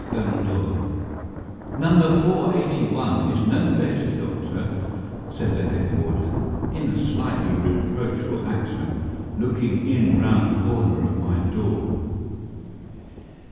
Conan Doyle "Number 481 is no better, doctor," said the head warder, in a slightly reproachful accent, looking in round the corner of my door.